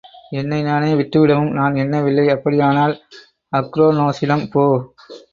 என்னை நானே விற்றுவிடவும் நான் எண்ணவில்லை. அப்படியானால் அக்ரோனோசிடம் போ!